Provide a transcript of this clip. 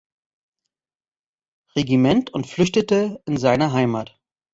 Regiment und flüchtete in seine Heimat.